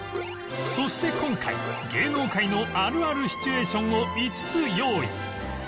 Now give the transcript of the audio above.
そして今回芸能界のあるあるシチュエーションを５つ用意